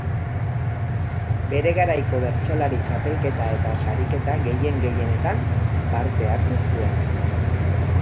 Bere garaiko bertsolari txapelketa eta sariketa gehien-gehienetan parte hartu zuen.